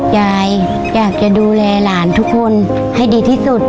ยายอยากจะดูแลหลานทุกคนให้ดีที่สุด